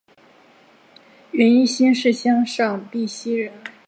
袁翼新市乡上碧溪人。